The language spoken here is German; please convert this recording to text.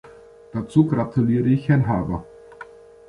Dazu gratuliere ich Herrn Harbour.